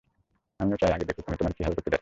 আমি চাই ও আগে দেখুক আমি তোমার কি হাল করতে যাচ্ছি।